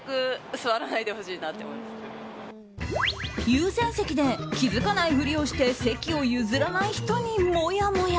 優先席で気づかないふりをして席を譲らない人にもやもや。